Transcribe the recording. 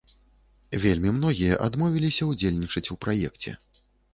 Вельмі многія адмовіліся ўдзельнічаць у праекце.